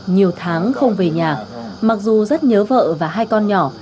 nhiều tháng không về nhà mặc dù rất nhớ vợ và hai con nhỏ